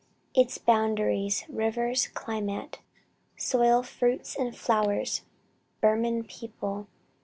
ITS BOUNDARIES, RIVERS, CLIMATE, SOIL, FRUITS AND FLOWERS. BURMAN PEOPLE.